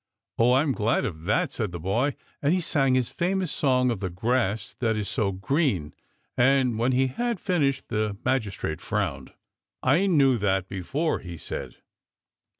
Oh, I'm glad of that," said the boy, and he sang his famous song of the grass that is so green, and when he had finished the magis trate frowned. " I knew that before," he said.